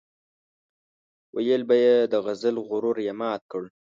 ويل به يې د غزل غرور یې مات کړ.